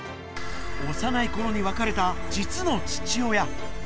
幼いころに別れた実の父親。